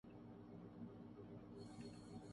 بعد از خرابیء بسیار سہی، لیکن یہ ایک نیک شگون ہے۔